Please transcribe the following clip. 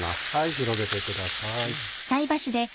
広げてください。